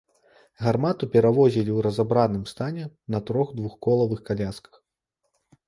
Гармату перавозілі ў разабраным стане на трох двухколавых калясках.